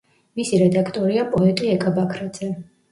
მისი რედაქტორია პოეტი ეკა ბაქრაძე.